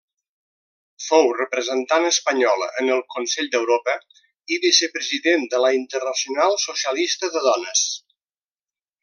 Fou representant espanyola en el Consell d'Europa i Vicepresident de la Internacional Socialista de Dones.